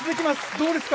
どうですか？